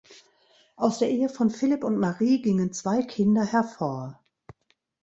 Aus der Ehe von Philip und Marie gingen zwei Kinder hervor.